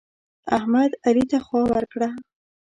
احمد؛ علي ته خوا ورکړه.